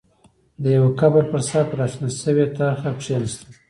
د يوه قبر پر سر پر را شنه شوې ترخه کېناسته.